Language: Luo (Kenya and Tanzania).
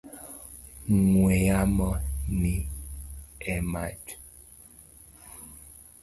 Ong’we yamo ni e mach.